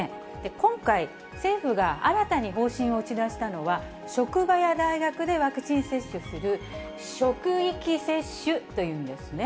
今回、政府が新たに方針を打ち出したのは、職場や大学でワクチン接種する職域接種というんですね。